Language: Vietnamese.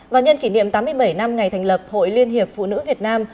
và nhân kỷ niệm tám mươi bảy năm ngày thành lập hội liên hiệp phụ nữ việt nam